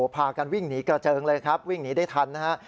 พากันวิ่งหนีกระเจิงเลยครับวิ่งหนีได้ทันนะฮะ